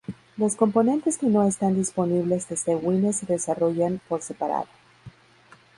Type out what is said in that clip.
Los componentes que no están disponibles desde Wine se desarrollan por separado.